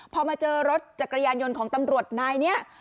พอมาเจอรถจักรยานยนต์ของตำรวจนายนี้